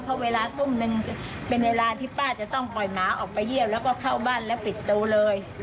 เพราะเวลาทุ่มนึงเป็นเวลาที่ป้าจะต้องปล่อยหมาออกไปเยี่ยมแล้วก็เข้าบ้านแล้วปิดประตูเลย